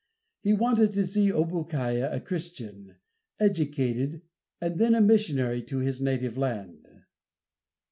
He wanted to see Obookiah a Christian, educated, and then a missionary to his native land.